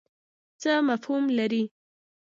څه مفهوم لري.